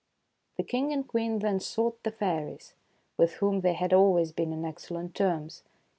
The King and Queen then sought the fairies, with whom they had always been on excellent terms.